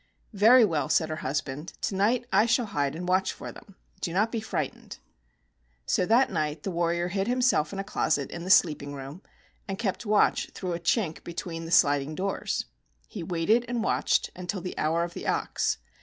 " "Very well," said her husband, "to night I shall hide and watch for them. Do not be frightened." So that night the warrior hid himself in a closet in the sleeping room, and kept watch through a chink between the. sliding doors. He waited and watched until the "Hour of the Ox."